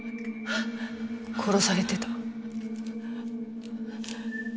殺されてた。